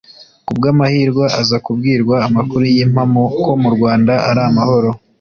ku bw’amahirwa aza kubwirwa amakuru y’impamo ko mu Rwanda ari amahoro